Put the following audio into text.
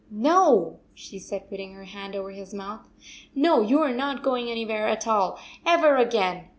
"NO," she said, putting her hand over his mouth, " no, you are not going any where at all, ever again!